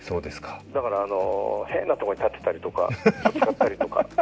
だから変なところに立ってたりとか、座ったりとか。